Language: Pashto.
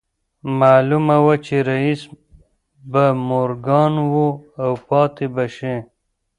معلومه وه چې رييس به مورګان و او پاتې به شي